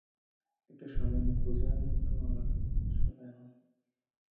একটা সামান্য প্রজার মতো আমাকে বিচারসভায় আহ্বান!